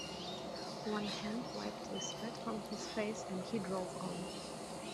One hand wiped the sweat from his face, and he drove on.